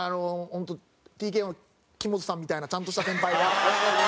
本当ＴＫＯの木本さんみたいなちゃんとした先輩が。